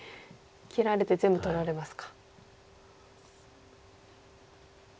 切られて全部取られますか。